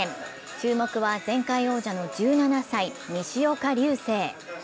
注目は前回王者の１７歳、西岡隆成。